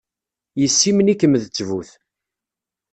Yessimen-ikem d ttbut.